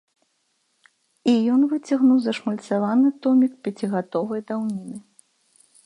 І ён выцягнуў зашмальцаваны томік пяцігадовай даўніны.